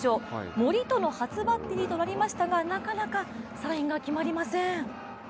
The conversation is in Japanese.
森との初バッテリーとなりましたがなかなかサインが決まりません。